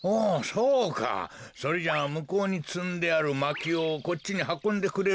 それじゃあむこうにつんであるまきをこっちにはこんでくれるかな？